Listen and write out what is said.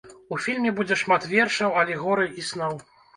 У фільме будзе шмат вершаў, алегорый і сноў.